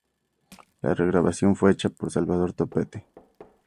La regrabación fue hecha por Salvador Topete.